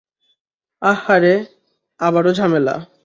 আহহারে, আবারও ঝামেলা!